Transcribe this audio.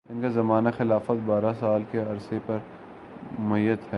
ان کا زمانہ خلافت بارہ سال کے عرصہ پر محیط ہے